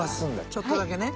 ちょっとだけね。